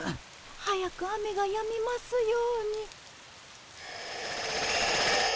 早く雨がやみますように。